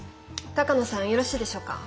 鷹野さんよろしいでしょうか？